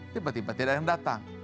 tiba tiba tidak ada yang datang